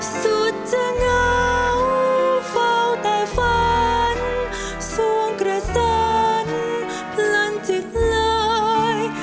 สุดจะเหงาเฝ้าแต่ฝันสวงกระสนเพลินจิตลอย